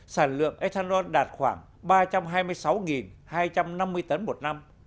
sản lượng ethanol đạt khoảng ba trăm hai mươi sáu hai trăm năm mươi tấn một năm